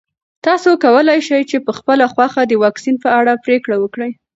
تاسو کولی شئ په خپله خوښه د واکسین په اړه پرېکړه وکړئ.